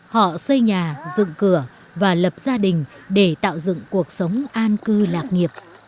họ xây nhà dựng cửa và lập gia đình để tạo dựng cuộc sống an cư lạc nghiệp